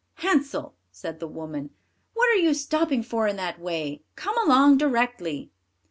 "Hansel," said the woman, "what are you stopping for in that way? Come along directly."